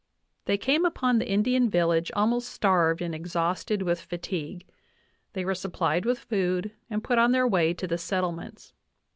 "They came upon the Indian village almost starved and exhausted with fatigue. They were supplied with food and put on their way to the settlements.